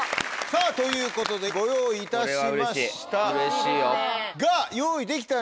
さぁということでご用意いたしました。